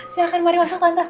silahkan mari masuk tante